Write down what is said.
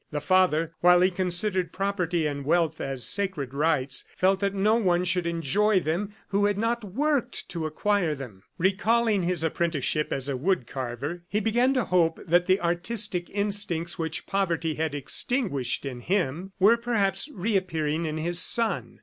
The father, while he considered property and wealth as sacred rights, felt that no one should enjoy them who had not worked to acquire them. Recalling his apprenticeship as a wood carver, he began to hope that the artistic instincts which poverty had extinguished in him were, perhaps, reappearing in his son.